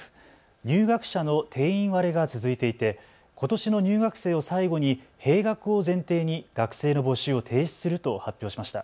入学者の定員割れが続いていてことしの入学生を最後に閉学を前提に学生の募集を停止すると発表しました。